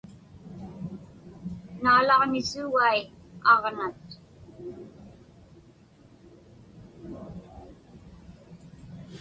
Naalaġnisuugai aġnat.